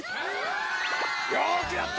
よくやった！